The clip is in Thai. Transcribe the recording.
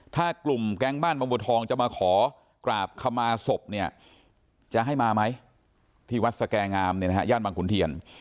ถ้ากลุ่มแก๊งบ้านบางบัวทองจะมาขอกราบขมาศพเนี่ยจะให้มาไหมที่วัดสแก่งามเนี่ยนะฮะย่านบางขุนเทียน